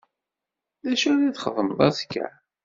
D acu ara txedmeḍ azekka?